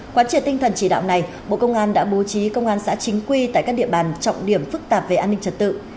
quán triệt tinh thần chỉ đạo này bộ công an đã bố trí công an xã chính quy tại các địa bàn trọng điểm phức tạp về an ninh trật tự